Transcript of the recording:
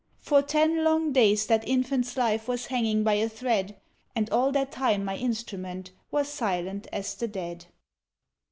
For ten long days that infant's life was hanging by a thread, And all that time my instrument was silent as the dead.